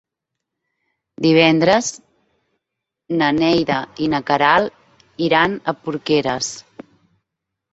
Divendres na Neida i na Queralt iran a Porqueres.